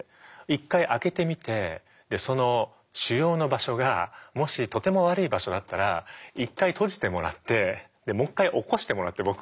一回開けてみてその腫瘍の場所がもしとても悪い場所だったら一回閉じてもらってもう一回起こしてもらって僕を。